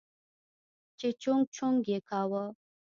چې چونگ چونگ يې کاوه.